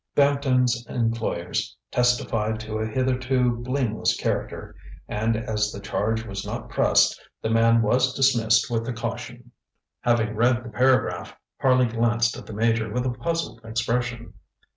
Bampton's employers testified to a hitherto blameless character, and as the charge was not pressed the man was dismissed with a caution. ŌĆØ Having read the paragraph, Harley glanced at the Major with a puzzled expression.